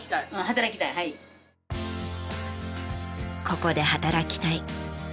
ここで働きたい。